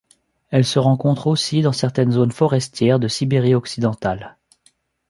Elle se rencontre aussi dans certaines zones forestières de Sibérie occidentale.